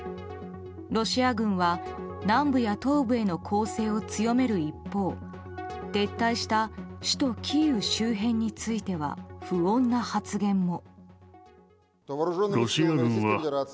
ロシア軍は南部や東部への攻勢を強める一方撤退した首都キーウ周辺については不穏な発言も。